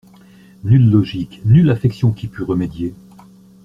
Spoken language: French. Nulle logique, nulle affection qui pût remédier.